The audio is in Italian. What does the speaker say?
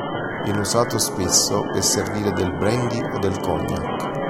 Viene usato spesso per servire del Brandy o del Cognac.